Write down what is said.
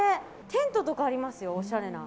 テントかありますよ、おしゃれな。